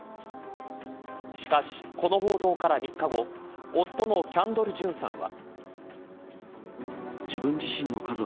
しかし、この報道から３日後夫のキャンドル・ジュンさんは。